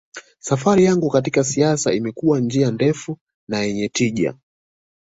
safari yangu katika siasa imekuwa njia ndefu na yenye tija